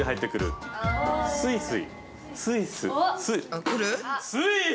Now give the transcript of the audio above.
スイス！